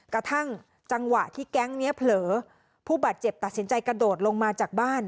กระทั่งจังหวะที่แก๊งนี้เผลอผู้บาดเจ็บตัดสินใจกระโดดลงมาจากบ้าน